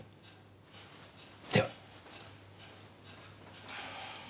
では。